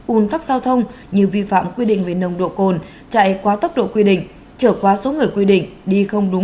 un tắc giao thông như vi phạm quy định về nồng độ cồn chạy quá tốc độ quy định trở qua số người quy định